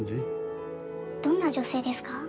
どんな女性ですか？